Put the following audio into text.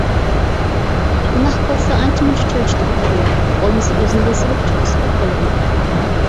گۇناھ قىلسا ئانچە-مۇنچە چۆچۈتۈپ قويغۇلۇق، بولمىسا ئۆزىنى بېسىۋېلىپ چوڭ سۈپەت بولغۇلۇق!